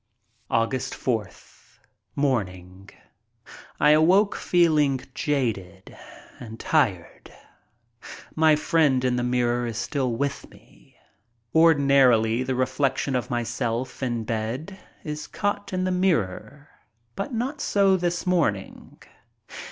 Aug. 4th. Morning: I awoke feeling jaded and tired. My friend in the mirror is still with me. Ordinarily the reflection of myself, in bed, is caught in the mirror, but not so this morning.